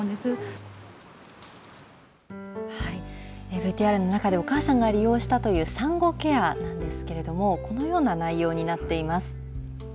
ＶＴＲの中で、お母さんが利用したという、産後ケアなんですけれども、このような内容になっています。